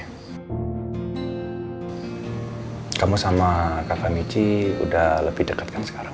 hai kamu sama kakak michi udah lebih dekatkan sekarang